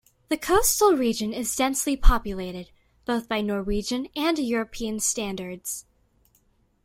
The coastal region is densely populated both by Norwegian and European standards.